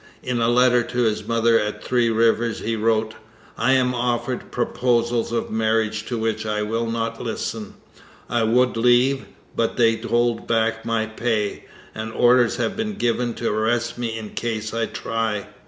In a letter to his mother at Three Rivers he wrote: 'I am offered proposals of marriage to which I will not listen. I would leave, but they hold back my pay, and orders have been given to arrest me in case I try.